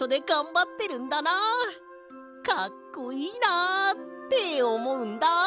かっこいいなあ」っておもうんだ。